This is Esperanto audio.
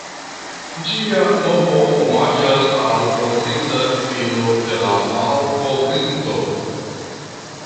Ĝia nomo omaĝas al mortinta filo de la malkovrinto.